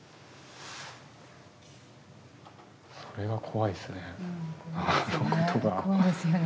それが怖いですね。